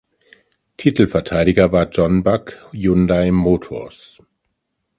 Titelverteidiger war Jeonbuk Hyundai Motors.